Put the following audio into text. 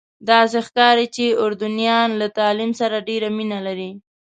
داسې ښکاري چې اردنیان له تعلیم سره ډېره مینه لري.